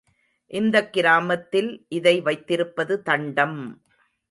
இந்தக் கிராமத்தில் இதை வைத்திருப்பது தண்டம்.